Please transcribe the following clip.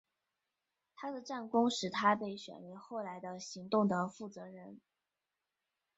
他的战功使他被选为后来的行动的负责人。